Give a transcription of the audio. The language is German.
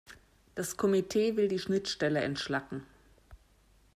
Das Komitee will die Schnittstelle entschlacken.